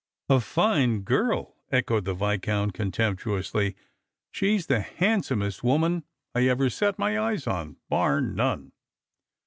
"A fine girl!" echoed the Viscount contemptuously; " she's the handsomest woman I ever set eyes on, bar none."